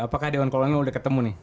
apakah dewan kolonel udah ketemu nih